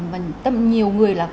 và nhiều người là